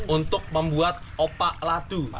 untuk membuat opak ladu